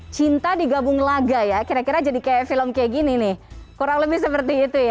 cinta digabung laga ya kira kira jadi kayak film kayak gini nih kurang lebih seperti itu ya